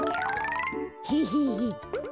ヘヘヘ。